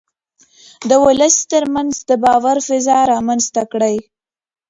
د ولس ترمنځ د باور فضا رامنځته کړئ.